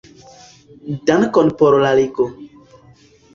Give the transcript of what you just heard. Dankon por la ligo.